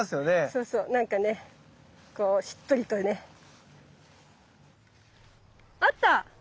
そうそうなんかねこうしっとりとね。あった！